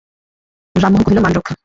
রামমোহন কহিল, মান রক্ষা?